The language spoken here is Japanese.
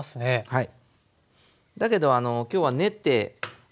はい。